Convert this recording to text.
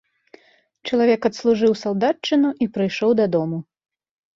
Чалавек адслужыў салдатчыну і прыйшоў дадому.